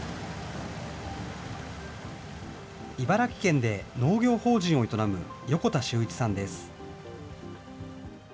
茨城県で農業法人を営む、横田修一さんです。